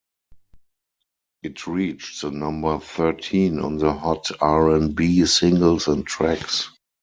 It reached the number thirteen on the Hot R and B Singles and Tracks.